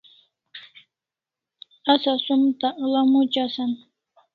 Asa som takl'a moc asan